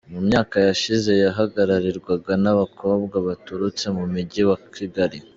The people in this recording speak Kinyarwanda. Mu myaka yashize yahagararirwaga n’abakobwa baturutse mu Mujyi wa Kigali.